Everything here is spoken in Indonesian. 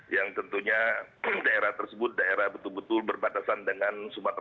yang tentunya daerah tersebut daerah betul betul berbatasan dengan sumatera